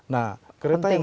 nah kereta yang